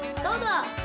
どうだ！